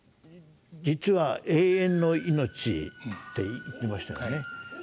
実は永遠の命って言ってましたよね。